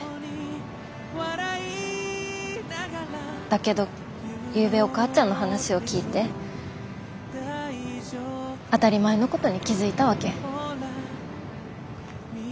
だけどゆうべお母ちゃんの話を聞いて当たり前のことに気付いたわけ。